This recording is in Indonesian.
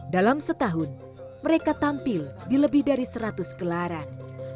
dalam setahun mereka tampil di lebih dari seratus gelaran